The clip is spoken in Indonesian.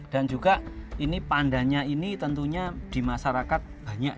dan juga ini pandannya ini tentunya di masyarakat banyak